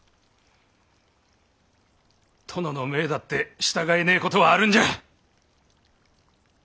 殿の命だって従えねえことはあるんじゃ！